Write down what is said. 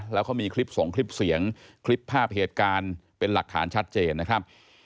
แล้วเขามีคลิปส่งคลิปเสียงคลิปภาพเหตุการณ์เป็นหลักฐานชัดเจนนะครับ